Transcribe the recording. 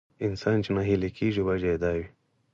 انسان چې ناهيلی کېږي وجه يې دا وي.